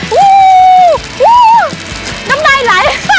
วู้ววววน้ำใดไหล